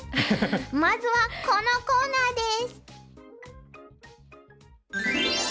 まずはこのコーナーです。